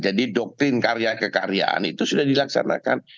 jadi doktrin karya kekaryaan itu sudah dilaksanakan